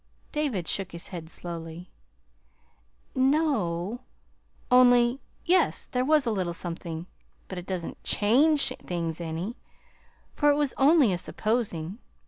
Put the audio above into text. David shook his head slowly. "No, only yes, there was a little something, but it doesn't CHANGE things any, for it was only a 'supposing.'